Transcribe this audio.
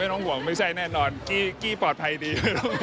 ต้องห่วงไม่ใช่แน่นอนกี้ปลอดภัยดี